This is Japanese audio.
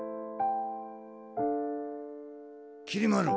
きり丸。